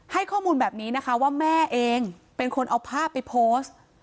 ให้ข้อมูลแบบนี้นะคะว่าแม่เองเป็นคนเอาภาพไปโพสต์